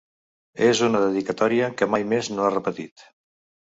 És una dedicatòria que mai més no ha repetit.